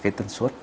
cái tần suất